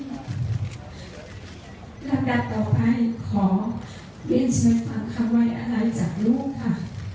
สำหรับต่อไปขอเรียนเชิญฟังคำว่าอะไรจากลูกค่ะ